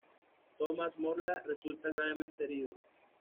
Tomás Morla resulta gravemente herido.